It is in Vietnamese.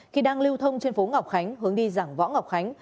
khi đang lưu thông trên phố ngọc khánh hướng đi giảng võ ngọc khánh